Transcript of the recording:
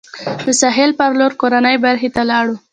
د سهیل پر لور کورنۍ برخې ته لاړو.